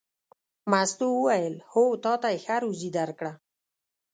مستو وویل: هو تا ته یې ښه روزي درکړه.